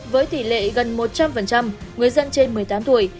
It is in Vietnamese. với tỷ lệ gần một trăm linh người dân trên một mươi tám tuổi